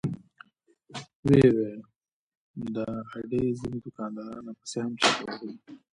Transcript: وې ئې " د اډې ځنې دوکانداران راپسې هم چغې وهي